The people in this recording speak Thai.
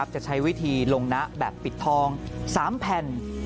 จะใช้วิธีลงนะแบบปิดทอง๓แผ่น